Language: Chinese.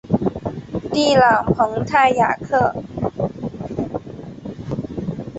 蒂朗蓬泰雅克。